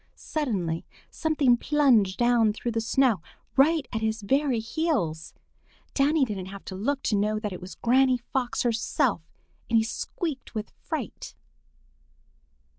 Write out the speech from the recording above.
Suddenly something plunged down through the snow right at his very heels. Danny didn't have to look to know that it was Granny Fox herself, and he squeaked with fright.